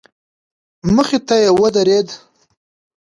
مخې ته يې ودرېد.